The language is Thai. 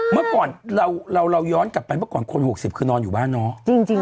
เมื่อก่อนเราย้อนกลับไปเมื่อก่อนคน๖๐คือนอนอยู่บ้านเนาะ